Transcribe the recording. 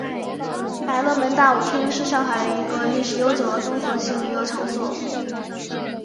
百乐门大舞厅是上海的一个历史悠久的综合性娱乐场所。